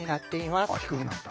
あっ低くなった。